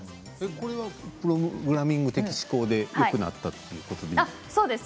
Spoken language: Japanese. これはプログラミング的思考力でよくなったということですか。